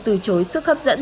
từ chối sức hấp dẫn